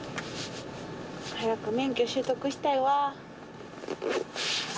早く免許取得したいわ。